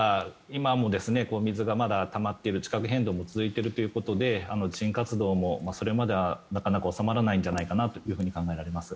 水がたまっている地殻変動が続いているということで地震活動もそれまではなかなか収まらないのではないかと考えられます。